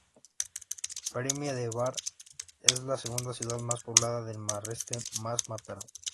Premiá de Mar, es la segunda ciudad más poblada del Maresme tras Mataró.